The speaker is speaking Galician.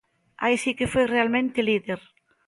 ¡Aí si que foi realmente líder!